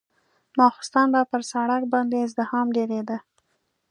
ماخستن به پر سړک باندې ازدحام ډېرېده.